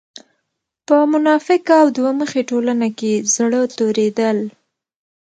په منافقه او دوه مخې ټولنه کې زړۀ توريدل